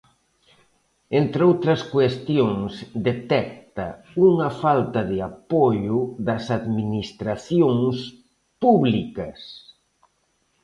Entre outras cuestións, detecta unha falta de apoio das administracións públicas.